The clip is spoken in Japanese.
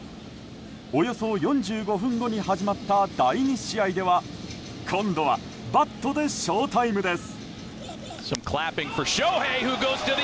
およそ４５分後に始まった第２試合では今度はバットでショウタイムです。